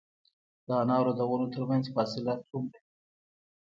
د انارو د ونو ترمنځ فاصله څومره وي؟